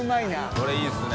これいいですね。